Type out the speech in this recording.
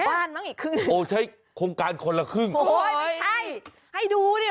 อ้านั่งไง